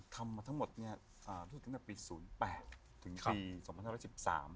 ทำมาทั้งหมดฮิวตรรรยาปี๐๘ถึงผี๒๐๑๓